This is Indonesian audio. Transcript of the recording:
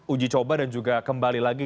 uji coba dan juga kembali lagi